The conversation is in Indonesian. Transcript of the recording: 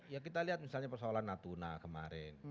ya kita lihat misalnya persoalan natuna kemarin